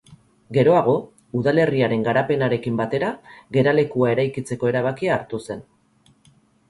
Geroago, udalerriaren garapenarekin batera geralekua eraikitzeko erabakia hartu zen.